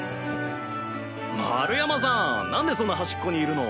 丸山さんなんでそんな端っこにいるの？